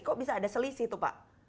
kok bisa ada selisih tuh pak